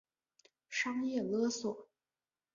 商业勒索